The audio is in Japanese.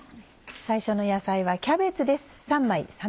最初の野菜はキャベツです。